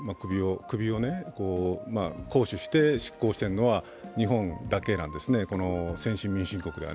首を絞首して執行しているのは日本だけなんですね、先進民主国では。